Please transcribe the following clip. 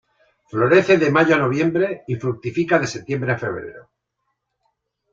Florece de mayo a noviembre y fructifica de septiembre a febrero.